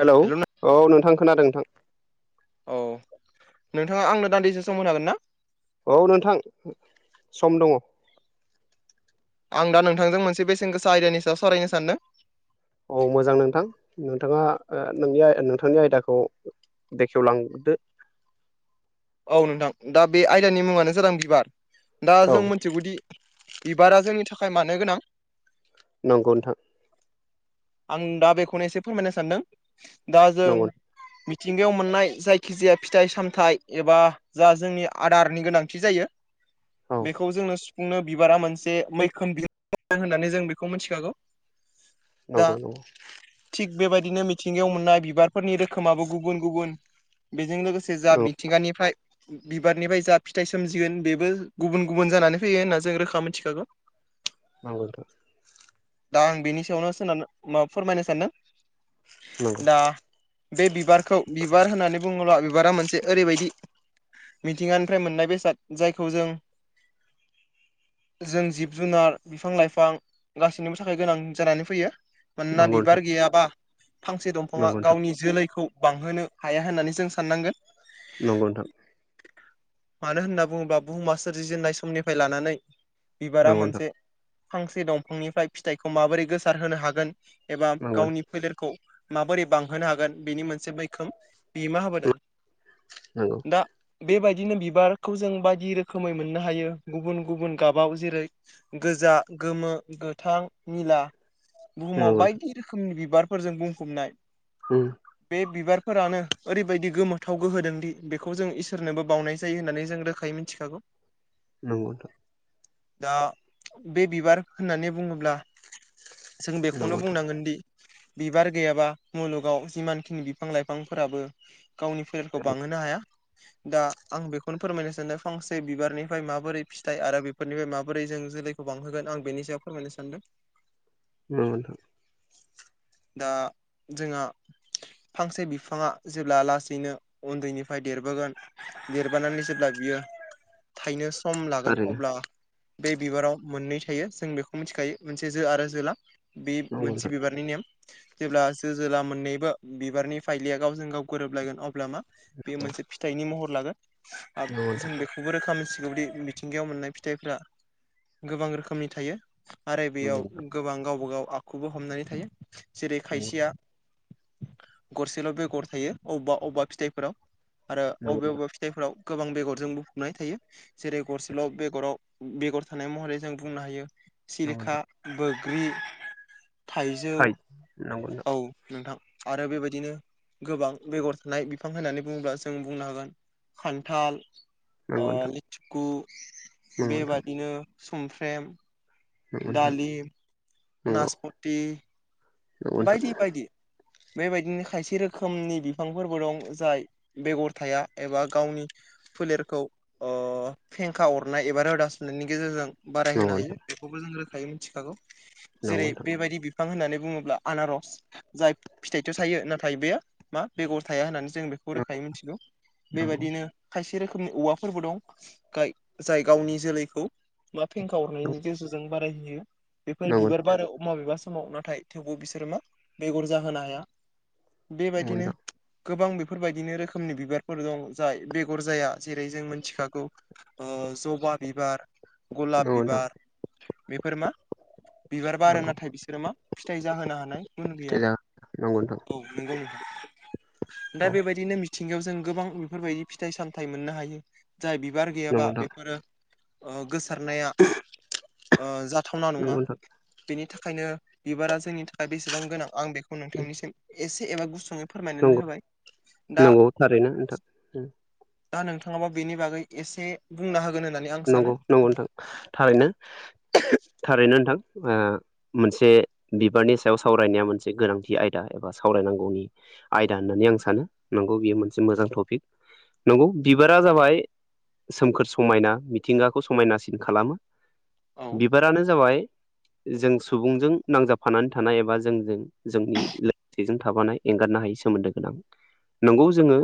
Hello hello औ नोंथां खोनादों नोंथां। औ नोंथाङा आंनो दान्दिसे सम होनो हागोन ना? औ नोंथां सम दङ। आं दा नोंथांजों मोनसे बेसेन गोसा आयदियानि सायाव सावरायनो सानदों। औ मोजां नोंथां नोंथाङा ओ नोंनि आ नोंथांनि आयदाखौ बेखेवलांदो औ नोंथां दा बे आयदानि मुंङानो जादों बिबार दा औ जों मिथिगौदि बिबारा जोंनि थाखाय मानो गोनां नंगौ नोंथां आं दा बेखौनो एसे फोरमायनो सानदों दा जों नंगौ मिथिंगायाव मोननाय जायखिजाया फिथाइ सामथाइ एबा जा जोंनि आदारनि गोनांथि जायो औ बेखौ जोंनो सु बिबारआ मोनसे मैखोम होननानै जों बेखौ मिथिखागौ। दा नंगौ नंगौ थिग बेबायदिनो मिथिंगायाव मोननाय बिबारफोरनि रोखोमाबो गुबुन गुबुन बेजों लोगोसे जा नंगौ बि निफ्राय बिबारनिफ्राय जा फिथाइ सोमजिगोन बेबो गुबुन गुबुन जानानै फैयो होनना जों रोखा मोनथिखागौ नोंगौ नोंथां। दा आं बेनि सायावनो सोनानो माबा फोरमायनो सानदों। दा बे बिबारखौ बिबार होननानै बुङोब्ला बिबारा मोनसे ओरैबायदि मिथिंगानिफ्राय मोननाय बेसाद‌ जायखौ जों जों जिब जुनार बिफां लाइफां गासिबनिबो थाखाय गोनां जानानै फैयो नंगौ मानोना नोंथां बिबार गैयाबा फांसे दंफाङा नंगौ गावनि जोलैखौ बांहोनो हाया होननानै जों साननांगोन। नंगौ नोंथां मानो होनना बुङोब्ला बुहुमा सोरजिजेननाय समनिफ्राय लानानै बिबारा नंगौ नोंथां नंगौ नोंथां नंगौ नोंथां मोनसे फांसे दंफांनिफ्राय फिथायखौ माबोरै गोसार होनो हागोन एबा गावनि फोलेरखौ माबोरै बांहोनो हागोन बेनि मोनसे मैखोम बिहोमा होबोदों। नंगौ दा बेबायदिनो बिबारखौ जों बायदि रोखोमै मोननो हायो गुबुन गुबुन गाबाव जेरै गोजा गोमो गोथां निला बुहुमाव नंगौ बायदि रोखोमनि बिबारफोरजों बुंफबनाय। [unintelligible] बे बिबारफोरानो ओरैबायदि गोमोथाव गोहोदों दि बेखौ जों इसोरनोबो बावनाय जायो होननानै जों रोखा यै मिथिखागौ। नंगौ नोंथां दा बे बिबार होननानै बुङोब्ला जों नंगौ नोंथां नंगौ नोंथां नंगौ बेखौनो नोंथां बुंनांगोन दि बिबार गैयाबा मुलुगाव जिमान खिनि बिफां लाइफांफोराबो गावनि फोलेरखौ बांहोनो हाया। दा आं बेखौनो फोरमायनो सानदों फांसे बिबारनिफ्राय माबोरै फिथाइ आरो बे फोरनिफ्राय माबोरै जों जोलैखौ बांहोगोन आं बेनि सायाव फोरमायनो सानदों। [unintelligible] दा जोंहा फांसे बिफाङा जेब्ला लासैनो उन्दैनिफ्राय देरबोगोन देरबोनानै जेब्ला बियो थायनो सम लागोन थारैनो अब्ला बे बिबाराव मोननै थायो। जों बेखौ मिथिखायो मोनसे जो आरो जोला बे नंगौ मोनसे नोंथां बिबार बि नेम जेब्ला जो जोला मोननैबो बिबारनि फाइलिया गावजों गोरोबलायगोन अब्ला मा बे मोनसे फिथाइनि महर लागोन, आ नंगौ नोंथां जों बेखौ गुबुन रोखोमनि सिगौदि मिथिंगायाव मोननाय फिथाइफ्रा गोबां रोखोमनि थायो। आरो बेयाव नंगौ नोंथां गोबां गावबागाव आखुबो हमनानै थायो जेरै नंगौ नोंथां खायसेया गरसेल' बेगर थायो अबबा अबबा फिथाइफोराव आरो नंगौ नोंथां अबेबा अबे जायफोराव गोबां बेगरजों बुंफबनाय थायो जेरै गरसेल' बेगराव बेगर थानाय महरै जों बुंनो हायो। नंगौ सिलिखा, नोंथां बोग्रि, थाइजौ थारैनो नंगौ नोंथां औ। नोंथां आरो बेबायदिनो गोबां बेगर थानाय बिफां होननानै बुङोब्ला जों बुंनो हागोन खान्थाल ओ नंगौ नोंथां लेथिखु नंगौ नोंथां बेबादिनो सुमफ्रेम नंगौ नोंथां डालिम, नंगौ नासपुथि नोंथां बायदि बायदि‌‌। बेबायदिनो खायसे रोखोमनि बिफांफोरबो दं, जाय बेगर थाया एबा गावनि फोलेरखौ ओ फेंखा अरनाय एबा रोदा सुनायनि गेजेरजों बारायहोनो नंगौ हायो। बेखौबो जों रोखायै मिथिखागौ जेरै नोंथां बेबायदि बिफां होननानै बुङोब्ला आनारस जाय फिथाइथ' थायो। नाथाय बेयो मा बेगर थाया होननानै जों बेखौ नंगौ रोखायै मिथिगौ। नोंथां बेबादिनो खायसे खायसे रोखोमनि औवाफोरबो दं गाय जाय गावनि जोलैखौ औवा फेंखा हरनायनि गेजेरजों बारायहैयो। बेफोर नंगौ बिबार बारो माबेबा समाव नाथाय थेवबो बिसोर आरोमा बेगर जाहोनो हाया, नंगौ नंगौ बेबायदिनो नोंथां गोबां बेफोरबायदिनो रोखोमनि बिबारफोर दं, जाय बेगर जाया जेरै जों मिथिखागौ ओ जबा बिबार गलाब नंगौ नोंथां बिबार बेफोर मा बिबार बारो। नंगौ नाथाय बिसोरो मा फिथाइ जाहोनो हानाय गुन फिथाइ गैया। जागोन नंगौ नोंथां औ नंगौ नोथां। दा औ बेबायदिनो मिथिंगायाव जों गोबां बेफोरबायदि फिथाइ सामथाइ मोननो हायो। जाय बिबार गैयाबा नंगौ नोंथां बेफोरो ओ गोसो नाया ओ जाथावना नङा नंगौ नोंथां बेनि थाखायनो बिबारा जोंनि थाखा दा बेसेबां गोनां आं बेखौ नोंथांनिसिम एसे एबा गुसुङै फोरमायनानै नंगौ होबाय दा नंगौ थारैनो नोंथां नंगौ दा नोंथाङाबा बेनि बागै एसे बुंना होगोन होननानै आं नंगौ सानो नंगौ नोंथां, थारैनो थारैनो नोंथां ओ मोनसे बिबारनि सायाव सावरायनाया मोनसे गोनांथि आयदा एबा सावरायनांगौनि आयदा होननानै आं सानो। नंगौ मोनसे मोजां तफिक, नंगौ बिबारा जाबाय सोमखोर समायना मिथिंगाखौ समायनासिन खालामो औ बिबारानो जाबाय जों सुबुंजों नांजाबफानानै थानाय एबा जोंजों जोंनि लोगोसेजों थाबानाय एंगारनो हायै सोमोन्दो गोनां नंगौ जोङो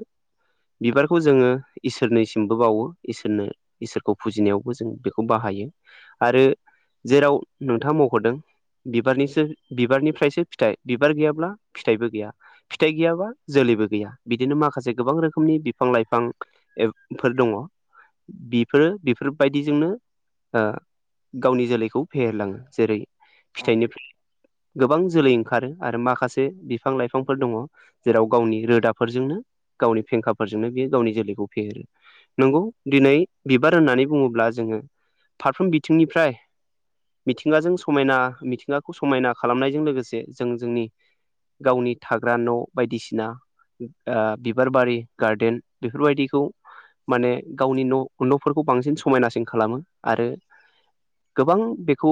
बिबारखौ जोङो इसोरनिसिमबो बावो इसोरनो इसोरखौ फुजिनायावबो जों बेखौ बाहायो आरो जेराव नोंथाङा मख'दों बिबारनिसो बिबारनिफ्रायसो फिथाइ बिबार गैयाब्ला फिथाइबो गैया फिथाइ गैयाबा जोलैबो गैया बिदिनो माखासे गोबां रोखोमनि बिफां-लाइफां एब फोर दङ बिब फोर बिफोरबायदिजोंनो ओ गावनि जोलैखौ फेहेर लाङो जेरै औ फिथाइनि [unintelligible] गोबां जोलै ओंखारो आरो माखासे बिफां लाइफांफोर दङ जेराव गावनि रोदाफोरजोंनो गावनि फेंखाफोरजोंनो बियो गावनि जोलैखौ फेहेरो नंगौ दिनै बिबार होननानै बुङोब्ला जोङो फारफ्रोम बिथिंनिफ्राय मिथिंगाजों समायना मिथिंगाखौ समायना खालामनायजों लोगोसे जों जोंनि गावनि थाग्रा न' बायदिसिना ओ बिबार बारि गार्देन बेफोरबायदिखौ माने गावनि न' न'फोरखौ बांसिन समायनासिन खालामो आरो गोबां बेखौ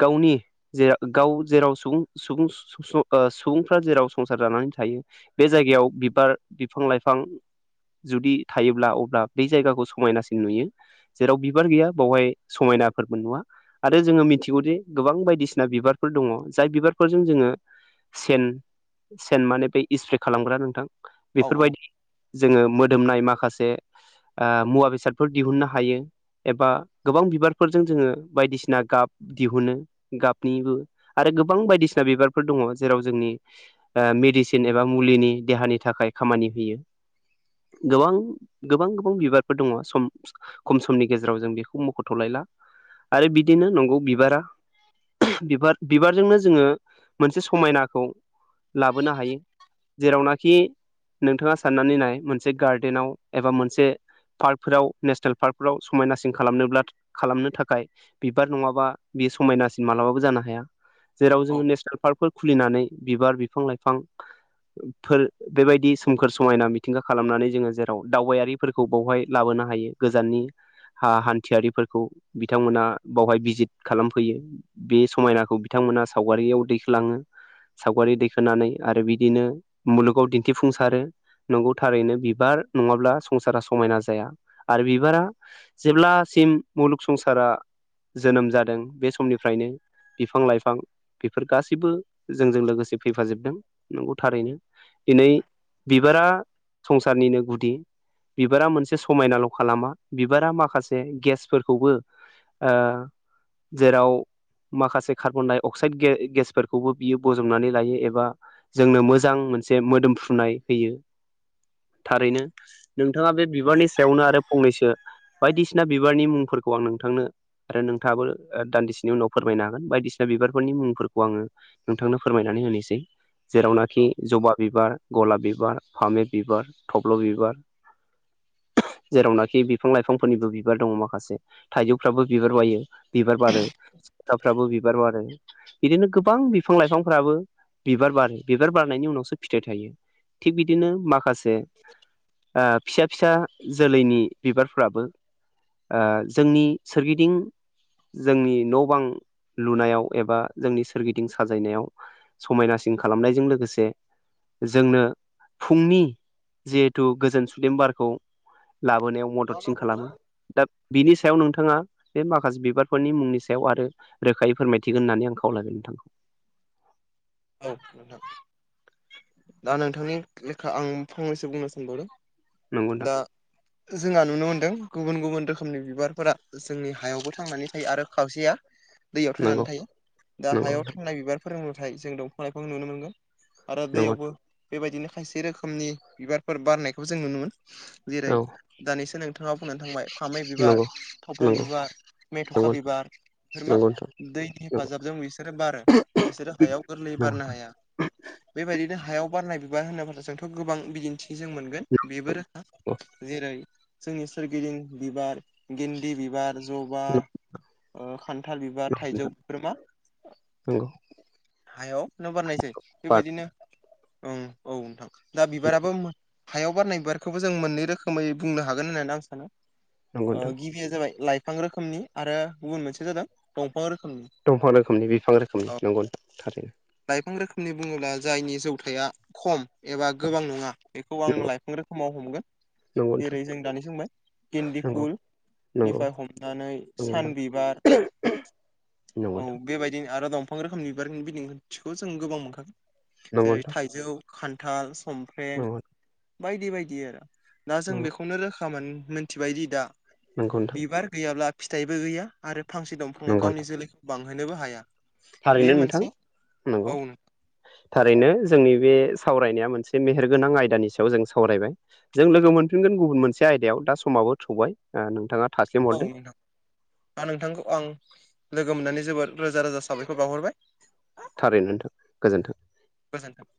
गावनि जेराव गाव जेराव सुबुं सुबुं स ओ सुबुंफ्रा जेराव संसार जानानै थायो बे जायगायाव बिबार, बिफां-लाइफां जुदि थायोब्ला अब्ला बे जायगाखौ समायनासि नुयो जेराव बिबार गैया बावहाय समायनाफोरबो नुवा आरो जोङो मिथिगौदे गोबां बायदिसिना बिबारफोर दङ जाय बिबारफोरजों जोङो सेन सेन माने बे इस्प्रे खालामग्रा नोंथां औ औ बेफोरबायदि जोङो मोदोमनाय माखासे ओ मुवा बेसाद फोर दिहुननो हायो एबा गोबां बिबारफोरजों जोङो बायदिसिना गाब दिहुनो गाबनिबो आरो गोबां बायदिसिना बिबारफोर दङ जेराव जोंनि ओ मेडिसिन एबा मुलिनि देहानि थाखाय खामानि होयो गोबां गोबां गोबां बिबारफोर दङ सम खम समनि गेजेराव जों बेखौ मख'थ'लायला आरो बिदिनो नंगौ बिबारा बिबार बिबारजोंनो जोङो मोनसे समायनाखौ लाबोनो हायो जेरावनाखि नोंथाङा साननानै नाय मोनसे गार्डेनाव एबा मोनसे पार्कफोराव नेसनेल पार्कफ्राव समायनासिन खालामनोब्ला खालामनो थाखाय बिबार नङाबा बे समायनासिन मालाबाबो जानो हाया जेराव औ जोङो नेसनेल पार्कफोर खुलिनानै बिबार बिफां-लाइफां फोर बेबायदि सोमखोर समायना मिथिंगा खालामनानै जोङो जेराव दावबायारिफोरखौ बावहाय लाबोनो हायो गोजाननि हा हान्थियारिफोरखौ बिथांमोना बावहाय भिजिट खालामफैयो बे समायनाखौ बिथांमोना सावगारियाव दैखोलाङो सावगारि दैखोनानै आरो बिदिनो मुलुगाव दिन्थिफुंसारो नंगौ थारैनो बिबार नङाब्ला संसारा समायना जाया आरो बिबारा जेब्लासिम मुलुग संसारा जोनोम जादों बे समनिफ्रायनो बिफां-लाइफां बेफोर गासैबो जोंजों लोगोसे फैफाजोबदों नंगौ थारैनो दिनै बिबारा संसारनिनो गुदि बिबारा मोनसे समायनाल' खालामा बिबारा माखासे गेसफोरखौबो ओ जेराव माखासे कार्बन डाइ अक्साइद गे-गेसफोरखौबो बियो बजबनानै लायो एबा जोंनो मोजां मोनसे मोदोमफ्रुनाय होयो। थारैनो नोंथाङा बे बिबारनि सायावनो आरो फंनैसो बायदिसिना बिबारनि मुंफोरखौ आं नोंथांनो आरो नोंथाङाबो ओ दान्दिसेनि उनाव फोरमायनो हागोन बायदिसिना बिबारफोरनि मुंफोरखौ आङो नोंथांनो फोरमायनानै होनोसै। औ जेरावनाखि जबा बिबार गलाब बिबार फामि बिबार थब्ल' बिबार जेरावनाखि बिफां लाइफांफोरनिबो बिबार दङ माखासे थाइजौफ्राबो बिबार बायो बिबार बारो। थाफ्राबो बिबार बारो। बिदिनो गोबां बिफां लाइफांफोराबो बिबार बारो बिबार बारनायनि उनावसो फिथाइ थायो। थिग बिदिनो माखासे ओ फिसा फिसा जोलैनि बिबारफ्राबो ओ जोंनि सोरगिदिं जोंनि न' बां लुनायाव एबा जोंनि सोरगिदिं साजायनायाव समायनासिन खालामनायजों लोगोसे जोंनो फुंनि जिहेथु गोजोन सुदेम बारखौ लाबोनायाव औ मददसिन खालामो। नोंथां दा बिनि सायाव नोंथाङा बे माखासे बिबारफोरनि मुंनि सायाव आरो रोखायै फोरमायथिगोन होननानै आं खावलायबाय नोंथां। औ नोंथां। दा नोंथांनि लेखा आं फंनैसो बुंनो नंगौ सानबावदों नोंथां दा जोंहा नुनो मोनदों गुबुन गुबुन रोखोमनि बिबारफोरा जोंनि हायावबो थांनानै थायो आरो खावसेया दैयाव थांनानै नंगौ थायो दा नंगौ हायाव थांनाय बिबार फोरा नाथाय जों दंफां लाइफां नुनो मोनगोन। आरो नंगौ दैयावबो बेबायदिनो खायसे रोखोमनि बिबारफोर बारनायखौ जों नुनो मोन जेरै औ दानिसो नोंथाङा बुंनानै थांबाय फामे बिबार नंगौ थब्ल' नंगौ बिबार मेथ'खा बिबार बेफोर मा नंगौ नंगौ नोंथां नंगौ दैनि हेफाजाबजों बिसोरो बारो बिसोरो हायाव गोरलै बारनो हाया बेबायदिनो हायाव बारनाय बिबार होनोबाथ' जोंथ' गोबां बिदिन्थि थि जों मोनगोन बेबो रोखा जेरै जोंनि सोरगिदिं बिबार गेन्दि बिबार जबा नंगौ ओ खान्थाल बिबार थाइजौ नंगौ बेफोर मा [unintelligible] हायावनो बारनाय जायो बार बेबायदिनो ओं औ नोंथां दा बिबाराबो हायाव बारनाय बिबारखौबो जों मोननै रोखोमै बुंनो हागोन होननानै आं सानो नंगौ ओ नोंथां गिबिया जाबाय लाइफ फां रोखोमनि आरो गुबुन मोनसेया जादों दंफां रोखोमनि। दंफां रोखोमनि बिफां रोखोमनि औ नंगौ नोंथां थारैनो। लाइफां रोखोमनि बुङोब्ला जायनि जौथाया खम एबा गोबां नङा बेखौ आं नंगौ लाइफां रोखोमाव हमगोन। नंगौ नोंथां जेरै जों दानिसो बुंबाय गेन्दि फुल नंगौ नंगौ [unintelligible] हमनानै नंगौ सान नोंथां बिबार नंगौ औ बेबायदिनो आरो दं फां रोखोमनि बिबारनि बिदिन्थिखौ जों गोबां मोनखागोन नोंथां नंगौ जेरै नोंथां थाइजौ खान्थाल सम फ्रें बायदि बायदि आरो दा जों बेखौनो रोखा मोन मोनथिबायदि दा नंगौ नंगौ नोंथां बिबार गैयाब्ला फिथाइबो गैया आरो फांसे दंफाङा नंगौ गावनि नोंथां जोलैखौ बांहोनोबो हाया। थारैनो बेयो नोंथां मोनसे औ नंगौ। थारैनो जोंनि बे सावरायनाया मोनसे मेहेरगोनां आयदानि सायाव जों सावरायबाय। जों लोगो मोनफिनगोन गुबुन मोनसे आयदायाव दा समाबो थौबाय आ नोंथाङा थास्लिम औ हरदो नोंथां दा नोंथांखौ आं लोगो मोननानै जोबोर रोजा रोजा साबायखर बावहरबाय थारैनो नोंथां गोजोन्थों गोजोन्थों